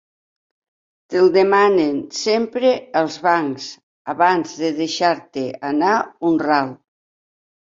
Te'l demanen sempre els bancs abans de deixar-te anar un ral.